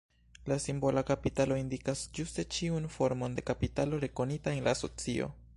La simbola kapitalo indikas ĝuste ĉiun formon de kapitalo rekonita en la socio.